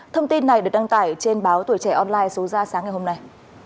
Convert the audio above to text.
thông tin này được đăng tải trên báo tuổi trẻ online số ra sáng ngày hôm nay